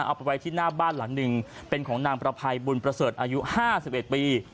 เอาไปไว้ที่หน้าบ้านหลังหนึ่งเป็นของนางประภัยบุญประเสริฐอายุ๕๑ปี